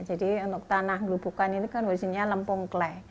jadi untuk tanah gelubukan itu kan wajibnya lempung kle